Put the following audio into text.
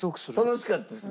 楽しかったです。